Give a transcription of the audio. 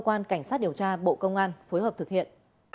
cơ quan cảnh sát điều tra bộ công an phối hợp thực hiện